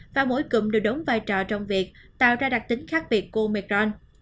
và mỗi cụm đều đống vai trò trong việc tạo ra đặc tính khác biệt của omicron